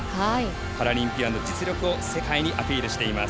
パラリンピアンの実力を世界にアピールしています。